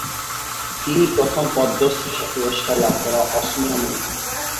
তিনি প্রথম পদ্মশ্রী পুরস্কার লাভ করা অসমীয়া মহিলা।